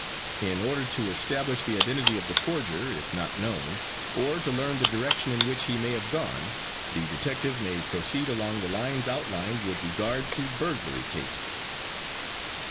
In order to establish the identity of the forger if not known, or to learn the direction in which he may have gone, the detective may proceed along the lines outlined with regard to burglary cases.